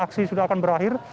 aksi sudah akan berakhir